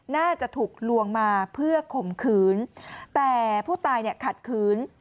น่าจะถูกลวงมาเพื่อข่มขืนแต่ผู้ตายเนี่ยขัดขืน